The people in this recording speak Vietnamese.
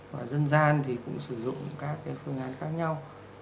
và dân gian thì cũng sử dụng các cái phương án khác nhau